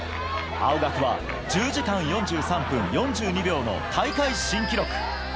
青学は１０時間４３分４２秒の大会新記録。